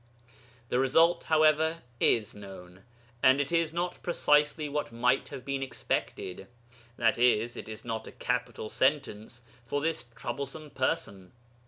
The result, however, is known, and it is not precisely what might have been expected, i.e. it is not a capital sentence for this troublesome person.